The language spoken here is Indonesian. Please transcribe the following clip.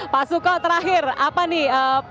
pak suko terakhir apa nih